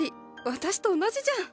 私と同じじゃん。